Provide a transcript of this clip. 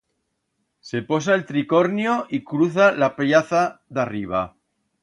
Se posa el tricornio y cruza la pllaza d'arriba.